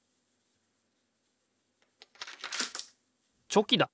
チョキだ！